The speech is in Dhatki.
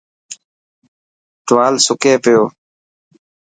ٽوال سڪي پيو.